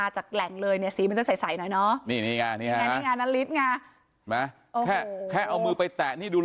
ใช่เพราะสีเป็นเปลี่ยน